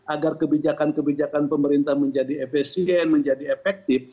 agar kebijakan kebijakan pemerintah menjadi efisien menjadi efektif